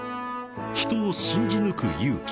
［人を信じ抜く勇気］